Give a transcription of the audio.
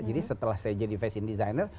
jadi setelah saya jadi fashion designer